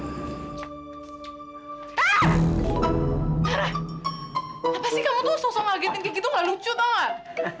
apa sih kamu tuh sosok ngagetin kiki tuh nggak lucu tau nggak